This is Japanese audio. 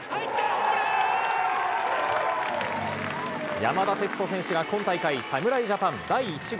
山田哲人選手が、今大会、侍ジャパン第１号。